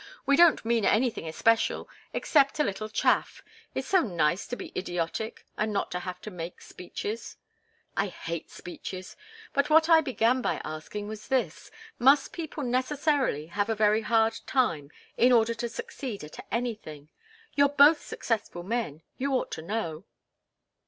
"We don't mean anything especial, except a little chaff. It's so nice to be idiotic and not to have to make speeches." "I hate speeches," said Katharine. "But what I began by asking was this. Must people necessarily have a very hard time in order to succeed at anything? You're both successful men you ought to know."